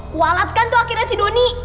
kualat kan tuh akhirnya si doni